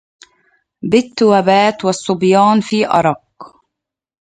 بت وبات الصبيان في أرق